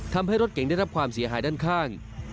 ทำให้รถเก่งได้รับความเสียหายด้านข้าง